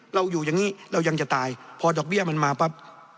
เราอยู่อย่างนี้เรายังจะตายพอดอกเบี้ยมันมาปั๊บ